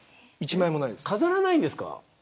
飾らないんですか。